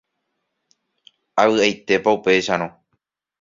Avy'aitépa upéicharõ